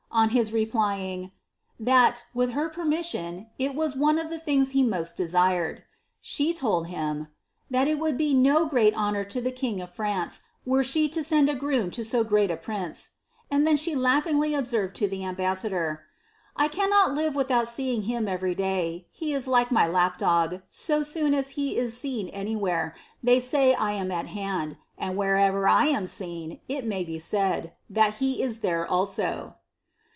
On his replying, ^ that, with her permission, it waa oa of the things he most desired," she told him, that it would be no gra honour to the king of France were she to send a groom lo so great prince ;" and then she laughingly observed to the ambassador, ^ I an not live without seeing him every day; he is like my lap dog, so boo as he )s seen anywhere, ihey say I am at hand ; and wherever ] am sen it may be said, that he is there also."